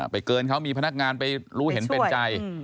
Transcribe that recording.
เกินเขามีพนักงานไปรู้เห็นเป็นใจ